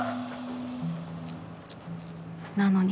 なのに